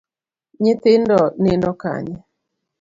Nyithindo nindo kanye?